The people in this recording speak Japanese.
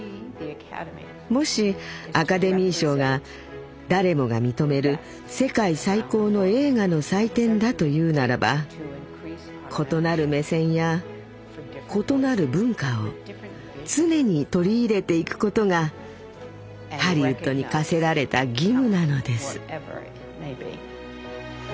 もしアカデミー賞が誰もが認める世界最高の映画の祭典だというならば異なる目線や異なる文化を常に取り入れていくことがハリウッドに課せられた義務なのです。